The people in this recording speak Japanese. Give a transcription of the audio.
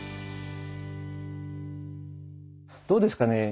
どうですかね？